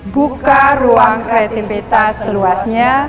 buka ruang kreativitas seluasnya